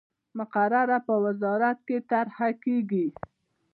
مقرره په وزارت کې طرح کیږي.